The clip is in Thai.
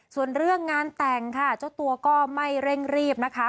ส่วนเรื่องงานแต่งค่ะเจ้าตัวก็ไม่เร่งรีบนะคะ